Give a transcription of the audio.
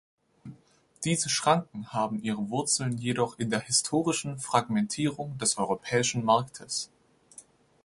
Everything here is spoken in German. Diese Schranken haben ihre Wurzeln jedoch in der historischen Fragmentierung des europäischen Marktes.